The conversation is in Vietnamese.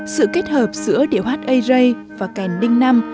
sự kết hợp giữa điệu hát ây rây và kèn đinh năm